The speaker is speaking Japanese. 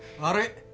悪い。